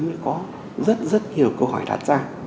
mới có rất rất nhiều câu hỏi đặt ra